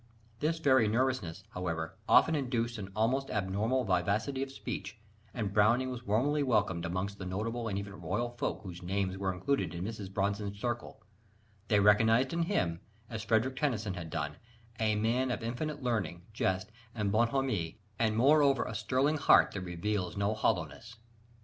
This very nervousness, however, often induced an almost abnormal vivacity of speech: and Browning was warmly welcomed amongst the notable and even royal folk whose names were included in Mrs. Bronson's circle; they recognised in him, as Frederick Tennyson had done, "a man of infinite learning, jest, and bonhomie, and moreover a sterling heart that reveals no hollowness."